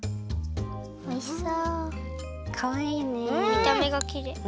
みためがきれい。